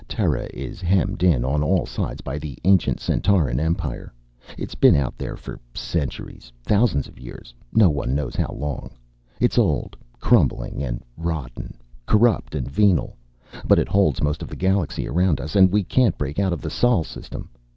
Terra is hemmed in on all sides by the ancient Centauran Empire. It's been out there for centuries, thousands of years. No one knows how long. It's old crumbling and rotting. Corrupt and venal. But it holds most of the galaxy around us, and we can't break out of the Sol system.